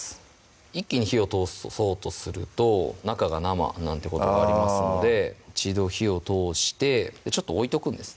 一気に火を通そうとすると中が生なんてことがありますので一度火を通してちょっと置いとくんです